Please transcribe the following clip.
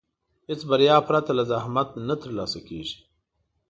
هېڅ بریا پرته له زحمت نه ترلاسه کېږي.